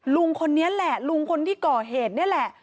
ลุงคนนี้แหละลุงคนที่ก่อเหตุนี่แหละ